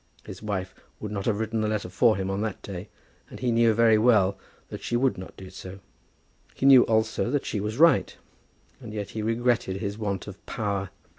His wife would not have written the letter for him on that day, and he knew very well that she would not do so. He knew also that she was right; and yet he regretted his want of power.